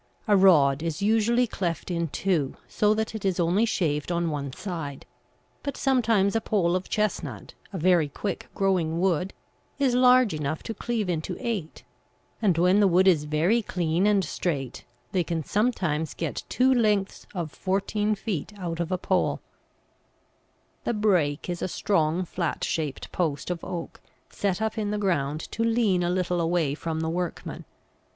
A rod is usually cleft in two, so that it is only shaved on one side; but sometimes a pole of Chestnut, a very quick growing wood, is large enough to cleave into eight, and when the wood is very clean and straight they can sometimes get two lengths of fourteen feet out of a pole. [Illustration: HOOP MAKING IN THE WOODS.] The brake is a strong flat shaped post of oak set up in the ground to lean a little away from the workman.